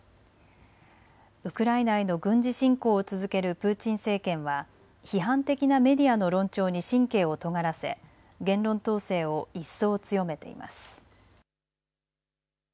ウクライナへの軍事侵攻を続けるプーチン政権は批判的なメディアの論調に神経をとがらせ言論統制を一層、強めています。